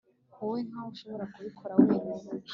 wowe nkaho ushobora kubikora wenyine